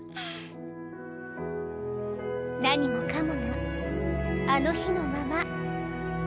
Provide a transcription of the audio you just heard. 何もかもがあの日のまま。